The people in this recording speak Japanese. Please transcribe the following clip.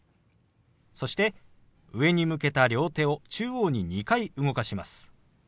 そして上に向けた両手を中央に２回動かします。